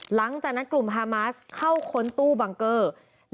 หลังจากนั้นกลุ่มฮามาสเข้าค้นตู้บังเกอร์